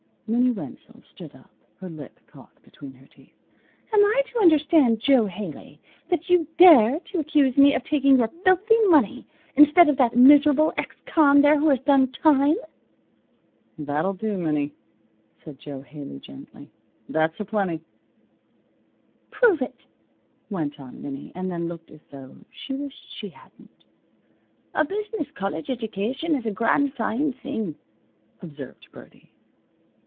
Minnie Wenzel stood up, her lip caught between her teeth. "Am I to understand, Jo Haley, that you dare to accuse me of taking your filthy money, instead of that miserable ex con there who has done time?" "That'll do, Minnie," said Jo Haley, gently. "That's a plenty." "Prove it," went on Minnie, and then looked as though she wished she hadn't. "A business college edjication is a grand foine thing," observed Birdie.